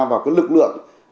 vào các lực lượng